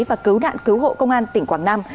và cứu nạn cứu hộ công an tỉnh quảng nam